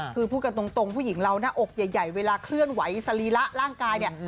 คือพูดกันตรงผู้หญิงเราหน้าอกใหญ่เวลาเคลื่อนไหวสรีระร่างกายเนี่ย